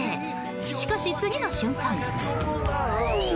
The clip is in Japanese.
しかし、次の瞬間。